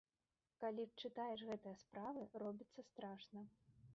Калі чытаеш гэтыя справы, робіцца страшна.